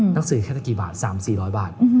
หนังสือแค่ได้กี่บาท๓๔๐๐บาท